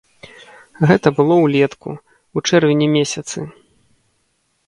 Гэта было ўлетку, у чэрвені месяцы.